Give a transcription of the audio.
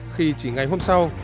khi chỉ ngày hôm sau